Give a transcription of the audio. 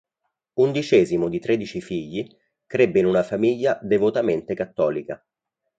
Undicesimo di tredici figli, crebbe in una famiglia devotamente cattolica.